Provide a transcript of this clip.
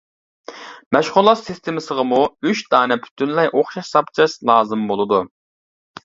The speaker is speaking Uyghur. مەشغۇلات سىستېمىسىغىمۇ ئۈچ دانە پۈتۈنلەي ئوخشاش زاپچاس لازىم بولىدۇ.